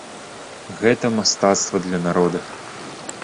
Гэта мастацтва для народа.